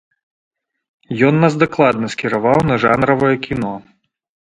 Ён нас дакладна скіраваў на жанравае кіно.